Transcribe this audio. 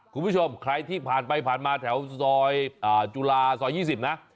คุณผู้ชมใครที่ผ่านไปผ่านมาแถวซอยจุฬาซอย๒๐นะ